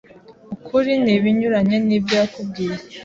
Ukuri ni ibinyuranye nibyo yakubwiye.